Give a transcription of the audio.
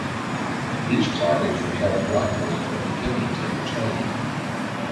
These carvings were called "Black Boys" or "Virginians" in the trade.